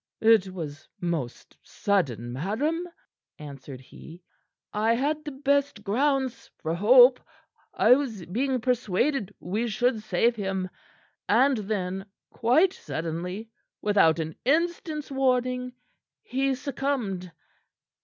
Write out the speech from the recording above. "It was most sudden, madam," answered he. "I had the best grounds for hope. I was being persuaded we should save him. And then, quite suddenly, without an instant's warning, he succumbed.